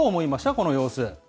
この様子。